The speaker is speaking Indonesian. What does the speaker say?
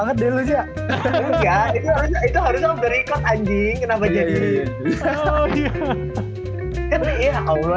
nggak itu harusnya berikut anjing kenapa jadi